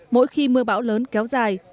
mỗi khi mưa bão lớn kéo dài